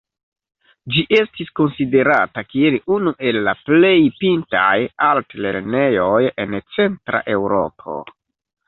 Ĝi estis konsiderata kiel unu el la plej pintaj altlernejoj en Centra Eŭropo.